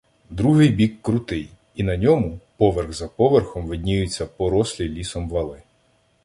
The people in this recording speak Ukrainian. Другий бік — крутий, і на ньому, поверх за поверхом, видніються порослі лісом вали.